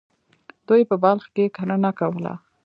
دوی په بلخ کې کرنه کوله.